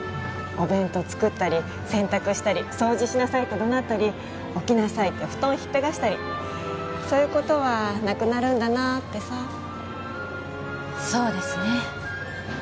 お弁当作ったり洗濯したり掃除しなさいって怒鳴ったり起きなさいって布団ひっぺがしたりそういうことはなくなるんだなってさそうですね